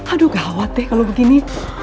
aduh gawat deh kalau begini